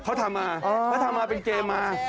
เพราะทำมาเป็นเกมมา